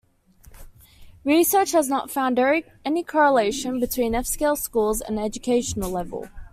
Research has not found any correlation between F-scale scores and educational level.